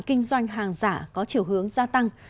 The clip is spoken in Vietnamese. kinh doanh hàng giả có chiều hướng gia tăng